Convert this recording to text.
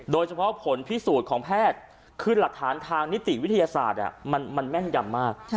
โดยเฉพาะผลพิสูจน์ของแพทย์คือหลักฐานทางนิติวิทยาศาสตร์มันแม่นยำมาก